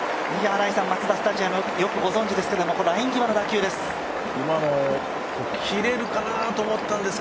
新井さん、マツダスタジアム、よくご存じですけど、ライン際の打球です。